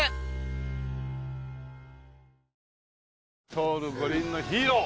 ソウル五輪のヒーロー！